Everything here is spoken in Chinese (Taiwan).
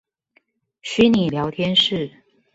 虛擬聊天室